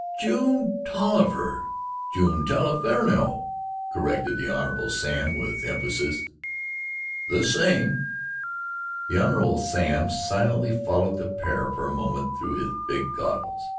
"June Tolliver." "June Taliaferro," corrected the Hon. Sam with emphasis. "The same." The Hon. Sam silently followed the pair for a moment through his big goggles.